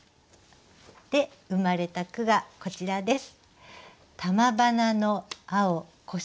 で生まれた句がこちらです。